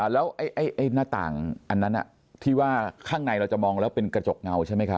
แล้วหน้าต่างอันนั้นที่ว่าข้างในเราจะมองแล้วเป็นกระจกเงาใช่ไหมครับ